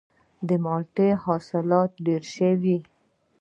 د مالټې حاصلات ډیر شوي؟